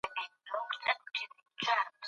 ایا دا کوچنی هلک په رښتیا له انا ډارېږي؟